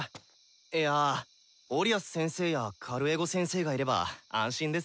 いやあオリアス先生やカルエゴ先生がいれば安心ですよ。